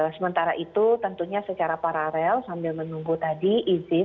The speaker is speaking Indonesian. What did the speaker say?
sementara itu tentunya secara paralel sambil menunggu tadi izin